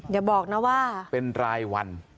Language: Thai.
อย่าบอกนะว่าเป็นรายวัน